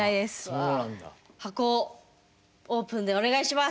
箱をオープンでお願いします！